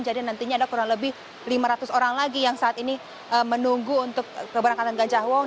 jadi nantinya ada kurang lebih lima ratus orang lagi yang saat ini menunggu untuk keberangkatan gajah wong